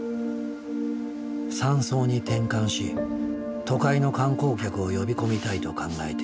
山荘に転換し都会の観光客を呼び込みたいと考えている。